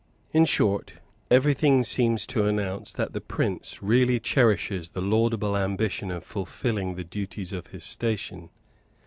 In short, everything seems to announce that the prince really cherishes the laudable ambition of fulfilling the duties of his station.